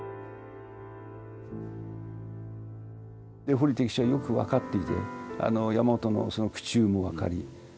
堀悌吉はよく分かっていて山本のその苦衷も分かり。